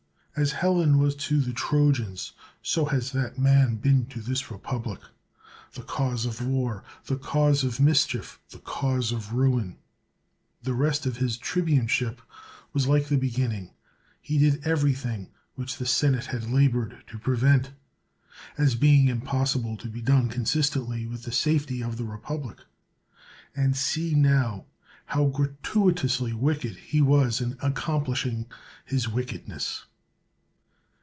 As Helen was to the Trojans, so has that man been to this republic — ^the cause of war, the cause of mis chief, the cause of ruin. The rest of his tribune ship was like the beginning. He did everything 184 CICERO which the senate had labored to prevent, as being impossible to be done consistently with the safety of the republic. And see, now, how gratuitously wicked he was in accomplishing his wickedness.